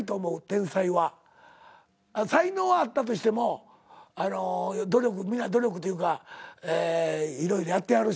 才能はあったとしても皆努力というか色々やってはるしな。